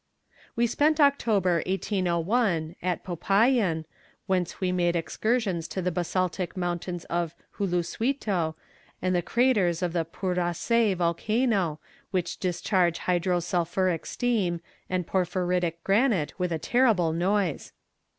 "We spent October, 1801, at Popayan, whence we made excursions to the basaltic mountains of Julusuito and the craters of the Puracé volcano, which discharge hydro sulphuric steam and porphyritic granite with a terrible noise....